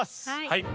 はい！